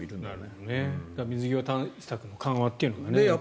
やっぱり水際対策の緩和っていうのがね。